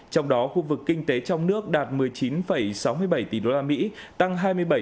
trong đó khu vực kinh tế trong nước đạt một mươi chín sáu mươi bảy tỷ usd tăng hai mươi bảy bảy